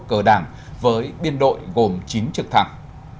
cờ đảng với biên đội gồm chín trực thẳng